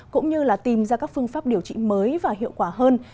cũng như là tìm ra các phương pháp điều trị mới và hiệu quả hơn